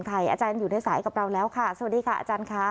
อาจารย์อยู่ในสายกับเราแล้วค่ะสวัสดีค่ะอาจารย์ค่ะ